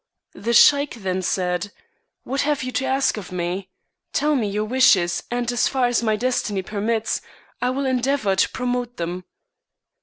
The Sheik then said, " What have you to ask of me ? Tell me your wishes, and, as far as my destiny permits, I will endeavor to pro mote them."